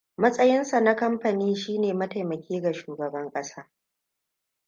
Matsayinsa na kamfani shi ne mataimaki ga shugaban kasa.